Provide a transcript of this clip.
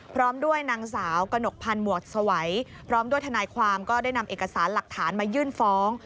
พร้อมด้วยนางสาวกระหนกพันธ์หมวดสวัยพร้อมด้วยทนายความก็ได้นำเอกสารหลักฐานมายื่นฟ้อง